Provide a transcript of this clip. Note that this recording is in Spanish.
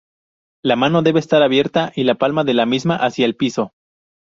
La mano debe estar abierta y la palma de la misma hacia el piso.